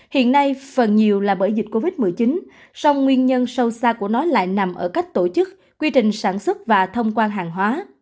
hiện nay phần nhiều là bởi dịch covid một mươi chín song nguyên nhân sâu xa của nó lại nằm ở cách tổ chức quy trình sản xuất và thông quan hàng hóa